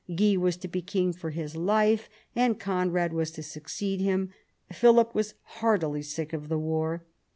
Guy was to be king for his life, and Conrad was to succeed him. Philip was heartily sick of the war.